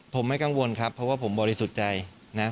ผมไม่กังวลครับเพราะว่าผมบริสุทธิ์ใจนะ